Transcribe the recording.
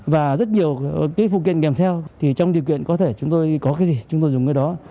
và rất nhiều cái phụ kiện kèm theo thì trong điều kiện có thể chúng tôi có cái gì chúng tôi dùng cái đó